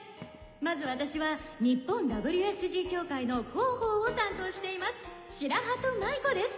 まず私は日本ＷＳＧ協会の広報を担当しています白鳩舞子です。